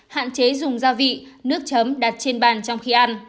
hạn chế dùng gia vị nước chấm đặt trên bàn trong khi ăn